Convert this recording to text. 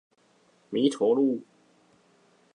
彌陀路